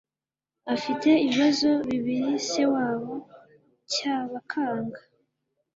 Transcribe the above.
Afite ibibazo bibiri sewabo CYABAKANGA